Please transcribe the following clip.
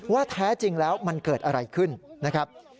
แท้จริงแล้วมันเกิดอะไรขึ้นนะครับ